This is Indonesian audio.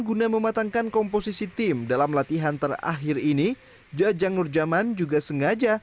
guna mematangkan komposisi tim dalam latihan terakhir ini jajang nurjaman juga sengaja